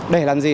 để làm gì